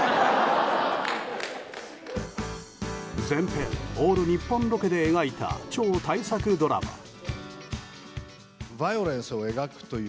全編オール日本ロケで描いた超大作ドラマ。